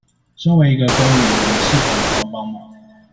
身為一個公民我們是否能幫幫忙